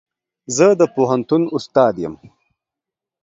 زه د پوهنتون استاد يم.